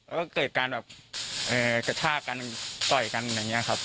แล้วก็เกิดการแบบกระชากกันต่อยกันอย่างนี้ครับ